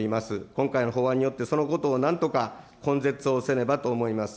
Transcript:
今回の法案によって、そのことをなんとか根絶をせねばと思います。